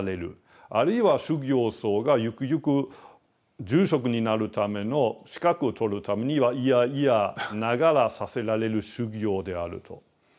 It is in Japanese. あるいは修行僧がゆくゆく住職になるための資格を取るために嫌々ながらさせられる修行であると。